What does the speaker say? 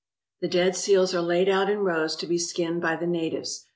The dead seals are laid out in rows to be skinned by the natives.